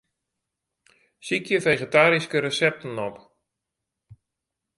Sykje fegetaryske resepten op.